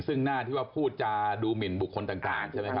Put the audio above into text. ซึ่งหน้าที่ว่าพูดจะดูหมินบุคคลต่างใช่ไหมครับ